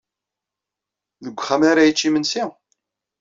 Deg uxxam ara yečč imensi?